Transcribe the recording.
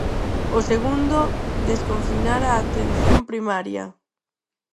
O segundo, desconfinar a atención primaria.